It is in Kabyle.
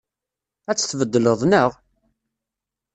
Ad tt-tbeddleḍ, naɣ?